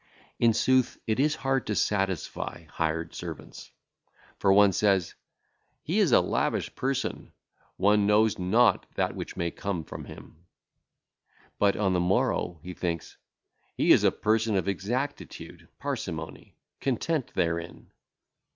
In sooth, it is hard to satisfy hired servants. For one saith, 'He is a lavish person; one knoweth not that which may come [from him].' But on the morrow he thinketh, 'He is a person of exactitude (parsimony), content therein.'